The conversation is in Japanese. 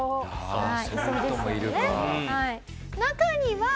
はい。